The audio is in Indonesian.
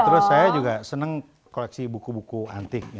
terus saya juga senang koleksi buku buku antik